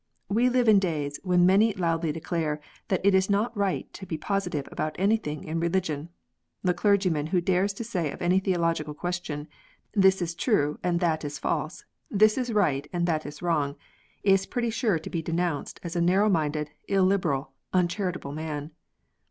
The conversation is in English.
We live in days when many loudly declare that it is not right to be positive about anything in religion. The clergyman who dares to say of any theological question, " This is true, and that is false, this is right, and that is wrong," is pretty sure to be denounced as a narrow minded, illiberal, uncharitable man.